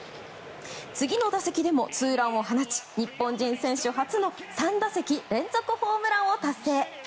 次の打席でもツーランを放ち日本人選手初の３打席連続ホームランを達成。